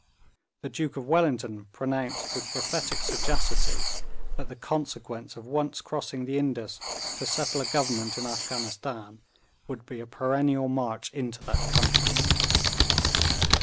The Duke of Wellington pronounced with prophetic sagacity, that the consequence of once crossing the Indus to settle a government in Afghanistan would be a perennial march into that country.